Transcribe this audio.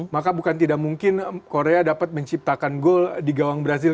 maka bukan tidak mungkin korea dapat menciptakan gol di gawang brazil